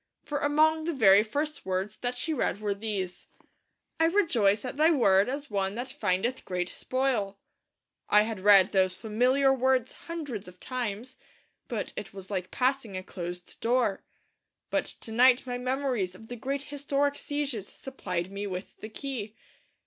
For among the very first words that she read were these: 'I rejoice at Thy Word as one that findeth great spoil.' I had read those familiar words hundreds of times, but it was like passing a closed door. But to night my memories of the great historic sieges supplied me with the key.